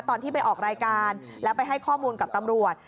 ตอนที่ไปออกรายการแล้วไปให้ข้อมูลกับตำรวจ